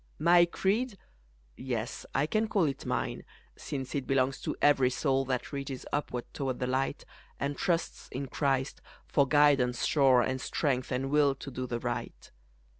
My creed yes, I can call it mine, Since it belongs to every soul That reaches upward toward the light, And trusts in Christ for guidance sure, And strength and will to do the right.